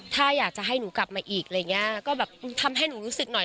ถ้าอยากจะให้หนูกลับมาอีกอะไรอย่างเงี้ยก็แบบทำให้หนูรู้สึกหน่อย